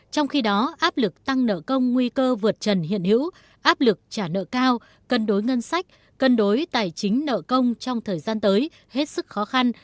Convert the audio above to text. trong khi đó áp lực tăng nợ công nguy cơ vượt trần hiện hữu áp lực trả nợ cao cân đối ngân sách cân đối tài chính nợ công trong thời gian tới hết sức khó khăn